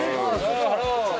ハロー！